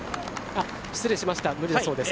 失礼しました無理だそうです。